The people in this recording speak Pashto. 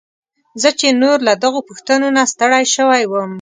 زه چې نور له دغو پوښتنو نه ستړی شوی وم.